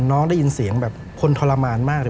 น้องได้ยินเสียงแบบคนทรมานมาก